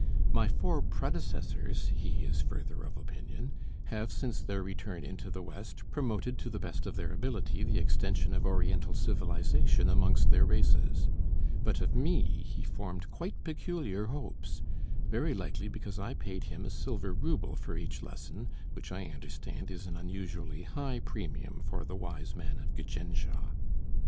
My four predecessors, he is further of opinion, have, since their return into the West, promoted to the best of their ability the extension of Oriental civilization amongst their races. But of me he formed quite peculiar hopes; very likely because I paid him a silver ruble for each lesson, which I understand is an unusually high premium for the Wise Man of Gjändsha.